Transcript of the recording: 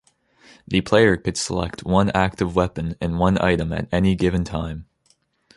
The player could select one active weapon and one item at any given time.